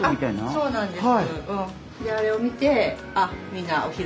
そうなんです。